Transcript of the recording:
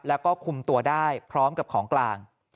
แล้วก็คุมตัวได้พร้อมกับของกลาง